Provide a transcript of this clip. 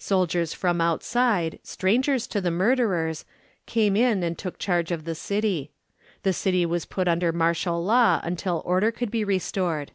Soldiers from outside, strangers to the murderers, came in and took charge of the city. The city was put under martial law until order could be restored.